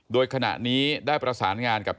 โดยขณะนี้ได้ประสานงานกับ